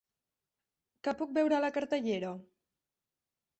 Què puc veure la cartellera